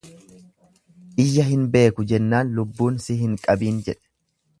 lyya hin beeku jennaan, lubbuun sin qabiin jedhe.